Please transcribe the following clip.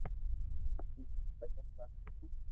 انهن جي پنجن ٻارن مان،